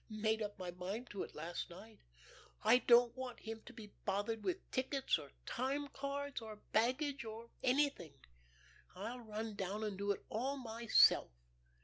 Made up my mind to it last night, and I don't want him to be bothered with tickets or time cards, or baggage or anything. I'll run down and do it all myself.